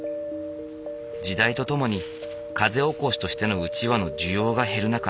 時代とともに風起こしとしてのうちわの需要が減る中